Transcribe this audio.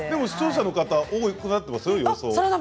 視聴者の方多くなっていますよ